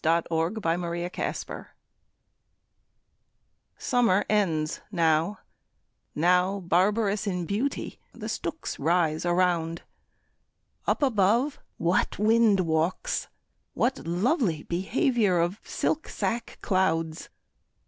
14 Hurrahing in Harvest SUMMER ends now; now, barbarous in beauty, the stooks rise Around; up above, what wind walks! what lovely behaviour Of silk sack clouds!